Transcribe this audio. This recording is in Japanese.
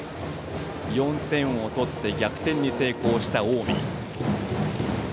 ４点を取って逆転に成功した近江。